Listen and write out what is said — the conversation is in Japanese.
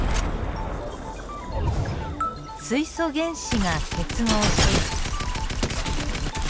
水素原子が結合し。